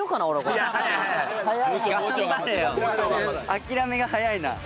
諦めが早いな。